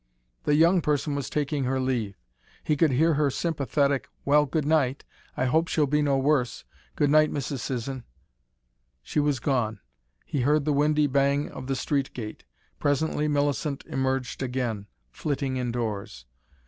The young person was taking her leave. He could hear her sympathetic "Well good night! I hope she'll be no worse. Good night Mrs. Sisson!" She was gone he heard the windy bang of the street gate. Presently Millicent emerged again, flitting indoors.